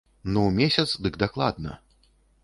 Ну, месяц дык дакладна.